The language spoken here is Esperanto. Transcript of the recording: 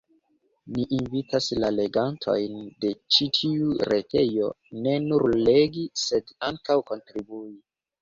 Ni invitas la legantojn de ĉi tiu retejo ne nur legi sed ankaŭ kontribui.